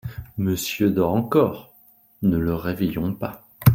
Monsieur dort encore… ne le réveillons pas.